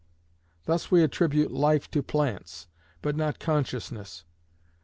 Thus we attribute life to plants, but not consciousness.